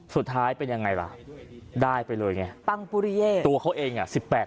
สุดท้ายเป็นยังไงล่ะได้ไปเลยไงตัวเขาเอง๑๘๐๐๐๐๐๐